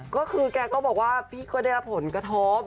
ก็คือแกก็บอกว่าพี่ก็ได้รับผลกระทบ